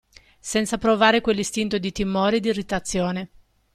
Senza provare quell'istinto di timore e di irritazione.